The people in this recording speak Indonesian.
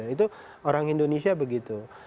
itu orang indonesia begitu